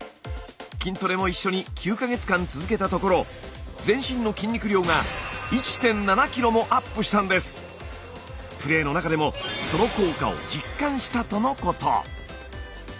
筋トレも一緒に９か月間続けたところ全身の筋肉量がプレーの中でもその効果を実感したとのこと。